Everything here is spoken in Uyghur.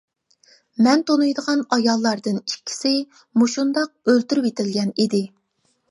مەن تونۇيدىغان ئاياللاردىن ئىككىسى مۇشۇنداق ئۆلتۈرۈۋېتىلگەن ئىدى.